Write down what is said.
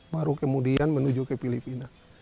baru kemudian menuju ke filipina